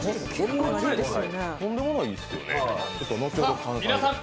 とんでもないですよね。